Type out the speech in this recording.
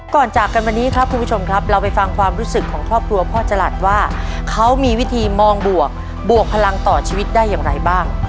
จากกันวันนี้ครับคุณผู้ชมครับเราไปฟังความรู้สึกของครอบครัวพ่อจรัสว่าเขามีวิธีมองบวกบวกพลังต่อชีวิตได้อย่างไรบ้าง